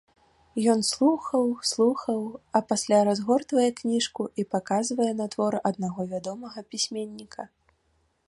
Ён слухаў, слухаў, а пасля разгортвае кніжку і паказвае на твор аднаго вядомага пісьменніка.